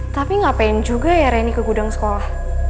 tapi ngapain juga ya reni ke gudang sekolah